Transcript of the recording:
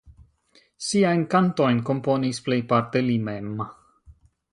Siajn kantojn komponis plejparte li mem.